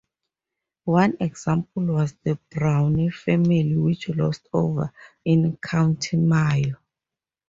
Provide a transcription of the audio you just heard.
One example was the Browne family which lost over in County Mayo.